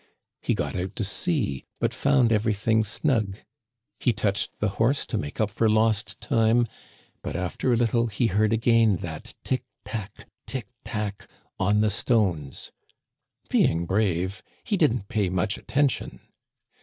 He got out to see, but found everything snug. He touched the horse to make up for lost time, but after a little he heard again that tic tac, tic tac, on the stones. Being brave, he didn't pay much attention.